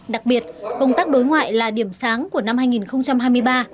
đặc biệt công tác đối ngoại là điểm sáng của năm hai nghìn hai mươi ba